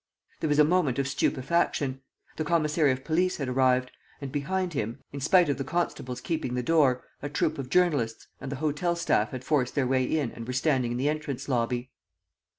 There was a moment of stupefaction. The commissary of police had arrived: and, behind him, in spite of the constables keeping the door, a troop of journalists, and the hotel staff had forced their way in and were standing in the entrance lobby.